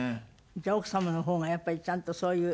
じゃあ奥様のほうがやっぱりちゃんとそういう。